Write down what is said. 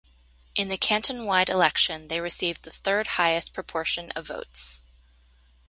In the canton-wide election they received the third highest proportion of votes.